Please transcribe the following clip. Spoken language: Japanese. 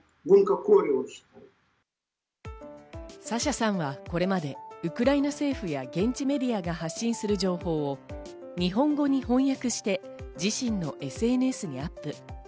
サシャさんはこれまでウクライナ政府や現地メディアが発信する情報を日本語に翻訳して自身のＳＮＳにアップ。